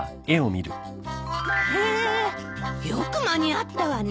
へえよく間に合ったわね。